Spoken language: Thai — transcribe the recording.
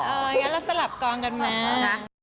อย่างนั้นเราสลับกองกันมา